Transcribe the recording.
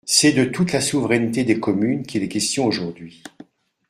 C’est de toute la souveraineté des communes qu’il est question aujourd’hui.